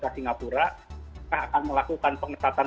ada dua ukuran yang akan nanti dilihat oleh covid sembilan belas